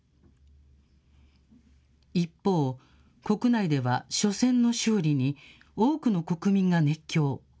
一方、国内では緒戦の勝利に多くの国民が熱狂。